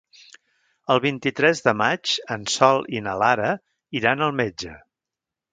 El vint-i-tres de maig en Sol i na Lara iran al metge.